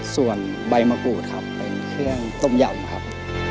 ส่วนใบมะกรูดครับเป็นเครื่องต้มยำครับ